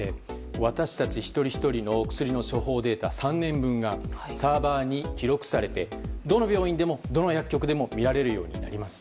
私たち一人ひとりの薬の処方データ３年分がサーバーに記録されてどの病院でもどの薬局でも見られるようになります。